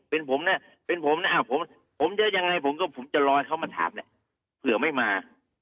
เป็นผมนะเป็นผมนะผมจะยังไงผมก็ผมจะรอให้เขามาถามแหละเผื่อไม่มา